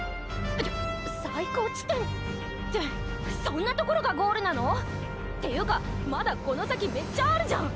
ちょっ最高地点てそんなところがゴールなの⁉ていうかまだこの先メッチャあるじゃん！